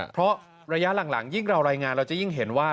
เพราะระยะหลังยิ่งเรารายงานเราจะยิ่งเห็นว่า